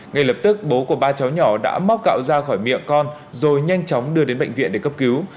ngay lập tức bố của ba cháu nhỏ đã móc gạo ra khỏi mẹ con rồi nhanh chóng đưa đến bệnh viện để cấp cứu